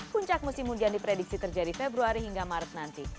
puncak musim hujan diprediksi terjadi februari hingga maret nanti